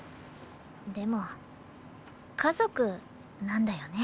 でも家族なんだよね。